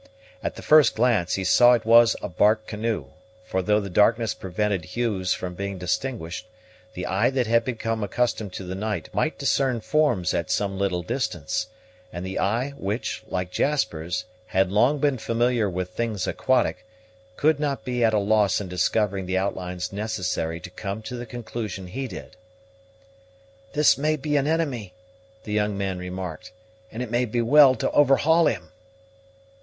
At the first glance, he saw it was a bark canoe; for, though the darkness prevented hues from being distinguished, the eye that had become accustomed to the night might discern forms at some little distance; and the eye which, like Jasper's, had long been familiar with things aquatic, could not be at a loss in discovering the outlines necessary to come to the conclusion he did. "This may be an enemy," the young man remarked; "and it may be well to overhaul him."